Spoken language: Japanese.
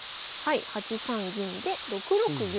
８三銀で６六銀。